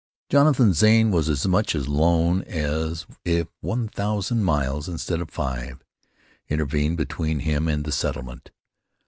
Jonathan Zane was as much alone as if one thousand miles, instead of five, intervened between him and the settlement.